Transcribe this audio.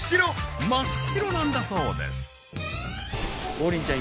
王林ちゃん